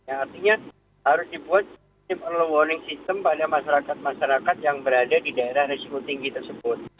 yang artinya harus dibuat shift early warning system pada masyarakat masyarakat yang berada di daerah risiko tinggi tersebut